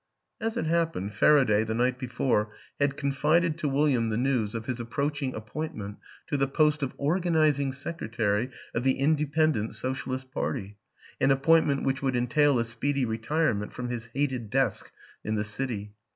As it happened, Faraday, the night before, had confided to William the news of his approaching appointment to the post of organizing secretary of the Independent Socialist Party, an appointment which would entail a speedy retirement from his hated desk in the City.